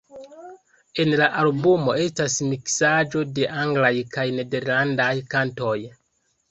En la albumo estas miksaĵo de anglaj kaj nederlandaj kantoj.